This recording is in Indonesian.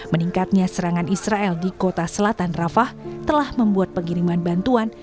meningkatnya serangan israel di kota selatan rafah telah membuat pengiriman bantuan